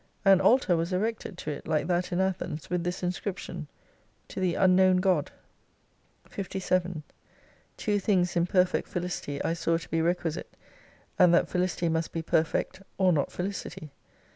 An altar was erected to it like that in Athens with this inscription : TO THE UNKNOWN GOD. 203 57 Two things in perfect Felicity I saw to be requisite : and that Fehcity must be perfect, or not Felicity.